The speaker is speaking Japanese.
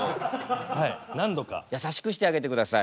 優しくしてあげてください。